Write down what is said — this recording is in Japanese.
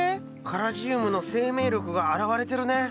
カラジウムの生命力が表れてるね。